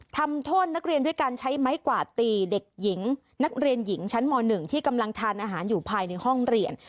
ทำโทษนักเรียนด้วยการใช้ไม้กวาดตีเด็กหญิงนักเรียนหญิงชั้นม๑ที่กำลังทานอาหารอยู่ภายในห้องเรียน